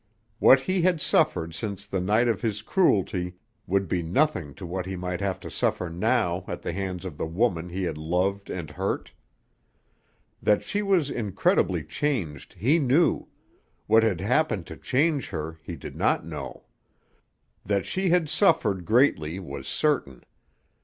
What he had suffered since the night of his cruelty would be nothing to what he might have to suffer now at the hands of the woman he had loved and hurt. That she was incredibly changed he knew, what had happened to change her he did not know. That she had suffered greatly was certain.